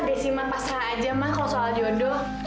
desi mah pasrah aja mah kalau soal jodoh